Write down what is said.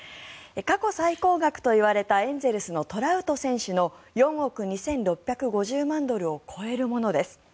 過去最高額といわれたエンゼルスのトラウト選手の４億２６５０万ドルを超えるものです。